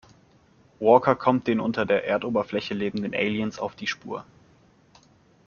Walker kommt den unter der Erdoberfläche lebenden Aliens auf die Spur.